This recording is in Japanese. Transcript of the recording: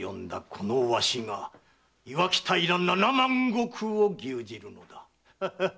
このわしが磐城平七万石を牛耳るのだ。